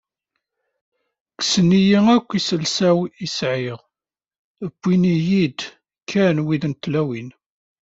Kksen-iyi akk iselsa-w i sɛiɣ, iwin-iyi-d kan wid n tlawin.